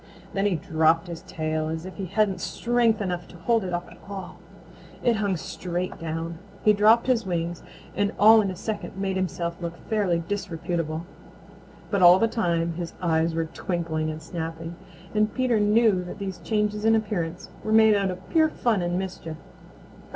Then he dropped his tail as if he hadn't strength enough to hold it up at all. It hung straight down. He dropped his wings and all in a second made himself look fairly disreputable. But all the time his eyes were twinkling and snapping, and Peter knew that these changes in appearance were made out of pure fun and mischief.